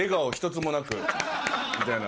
みたいな。